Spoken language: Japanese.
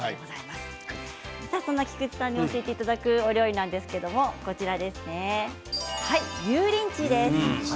そんな菊池さんに教えていただく料理なんですが油淋鶏です。